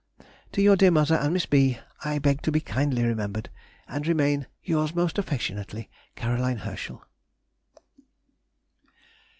To your dear mother and Miss B. I beg to be kindly remembered, And remain Yours, most affectionately, C. HERSCHEL.